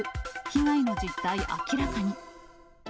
被害の実態明らかに。